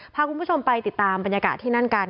พาคุณผู้ชมไปติดตามประนักการณ์ที่นั่นกัน